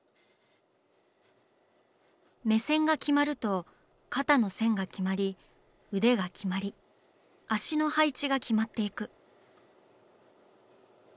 目線が決まると肩の線が決まり腕が決まり足の配置が決まっていく。